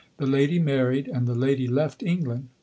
The lady married, and the lady left England.